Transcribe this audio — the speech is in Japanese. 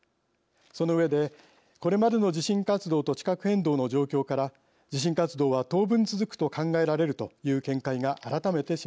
その上でこれまでの地震活動と地殻変動の状況から地震活動は当分続くと考えられるという見解が改めて示されました。